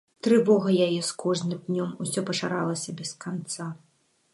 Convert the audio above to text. Трывога яе з кожным днём усё пашыралася без канца.